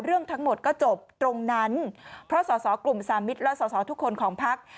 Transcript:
เรื่องทั้งหมดก็จบตรงนั้นเพราะสอสอกลุ่มสามิตรและสอสอทุกคนของพัก